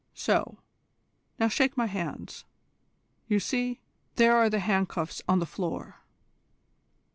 So; now shake my hands. You see, there are the handcuffs on the floor."